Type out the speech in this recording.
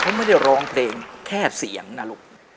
เขาไม่ได้ร้องเพลงแค่เสียงนะลูก